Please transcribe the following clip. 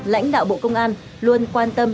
lãnh đạo bộ công an luôn quan tâm